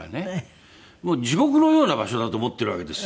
もう地獄のような場所だと思ってるわけですよ。